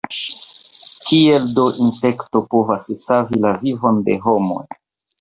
Kiel do insekto povas savi la vivon de homoj?